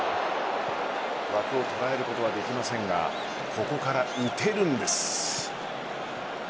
枠を捉えることはできませんがここから打てるんです。